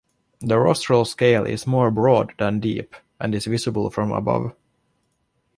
The rostral scale is more broad than deep, and is visible from above.